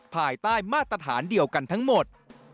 ภายใต้มาตรฐานเดียวกันทั้งหมด